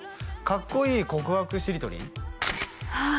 かっこいい告白しりとり